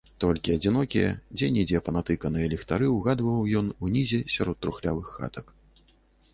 Толькі адзінокія, дзе-нідзе панатыканыя, ліхтары ўгадваў ён унізе сярод трухлявых хатак.